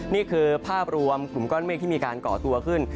นี่คือภาพรวมกลุ่มก้อนเมฆที่มีการก่อตัวขึ้น